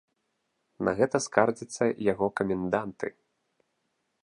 На гэта скардзяцца яго каменданты.